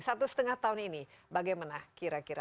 satu setengah tahun ini bagaimana kira kira